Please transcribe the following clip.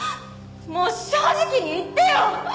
もう正直に言ってよ！